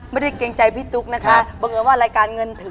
ไม่ได้เกรงใจพี่ตุ๊กนะคะ